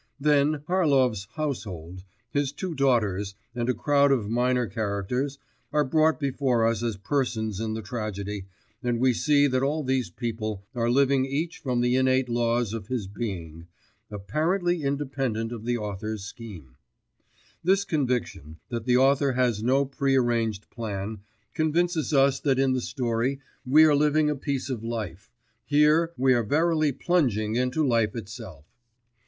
Then, Harlov's household, his two daughters, and a crowd of minor characters, are brought before us as persons in the tragedy, and we see that all these people are living each from the innate laws of his being, apparently independently of the author's scheme. This conviction, that the author has no pre arranged plan, convinces us that in the story we are living a piece of life: here we are verily plunging into life itself.